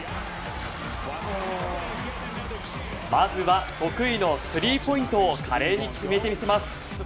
まずは得意のスリーポイントを華麗に決めてみせます。